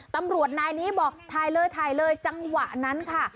ตำรวจนายนี้บอกถ่ายเลยถ่ายเลยจังหวะนั้นค่ะ